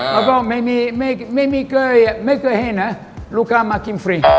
แล้วก็ไม่เคยเห็นลูกค้ามากินฟรีก็ไม่อร่อย